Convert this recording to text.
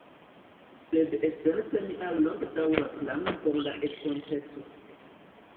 Sed esence mia longdaŭra plano por la estonteco